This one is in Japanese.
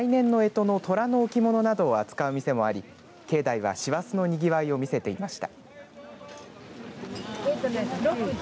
また来年のえとのとらの置物などを扱う店もあり境内は師走のにぎわいを見せていました。